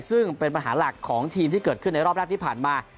ซึ่งเป็นปัญหาหลักของทีมที่เกิดขึ้นในรอบแรกที่ผ่านมา